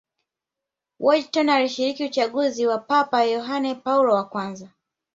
Wojtyla alishiriki uchaguzi wa Papa Yohane Paulo wa kwanza